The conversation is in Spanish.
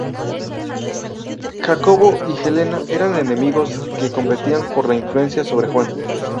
Jacobo y Helena eran enemigos, que competían por la influencia sobre Juan.